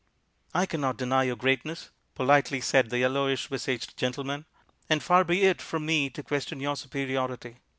"I cannot deny your greatness," politely said the yellowish visaged gentleman, "and far be it from me to question your superiority.